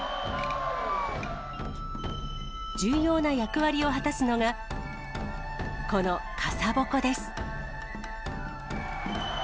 重要な役割を果たすのが、この傘鉾です。